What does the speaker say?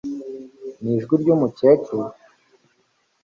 Nijwi ryumukecuru